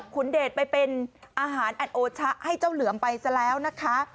คุณเดชไปเป็นอาหารแอนโอชะให้เจ้าเหลือมไปซะแล้วนะคะ